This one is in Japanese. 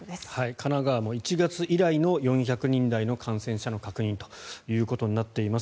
神奈川も１月以来の４００人台の感染者の確認となっています。